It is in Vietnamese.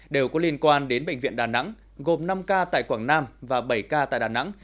đều có liên quan đến bệnh viện đà nẵng gồm năm ca tại quảng nam và bảy ca tại đà nẵng